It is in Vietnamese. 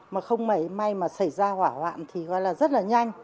mà không may mà xảy ra hỏa hoạn thì rất nhanh